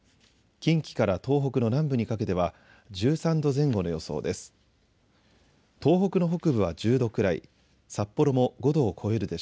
近畿から東北の南部にかけては１３度前後の予想です。